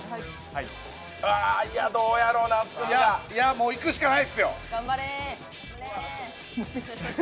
もういくしかないッスよ。